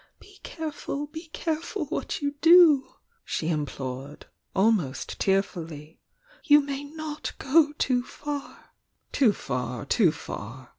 be careful, be careful what you do!" she implored, al most tearfully. "You may not go too far!" "Too far, too far!"